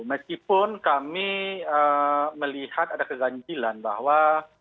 meskipun kami melihat ada keganjilan bahwa